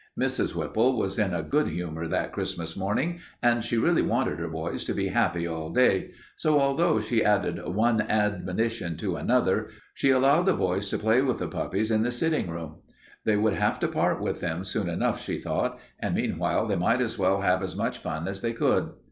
Mrs. Whipple was in a good humor that Christmas morning, and she really wanted her boys to be happy all day, so although she added one admonition to another, she allowed the boys to play with the puppies in the sitting room. They would have to part with them soon enough, she thought, and meanwhile they might as well have as much fun as they could.